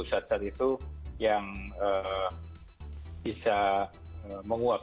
zat zat itu yang bisa menguap